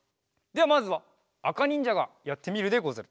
ではまずはあかにんじゃがやってみるでござる。